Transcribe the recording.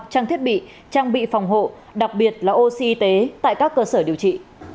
trang thiết bị trang bị phòng hộ đặc biệt là oxy y tế tại các cơ sở điều trị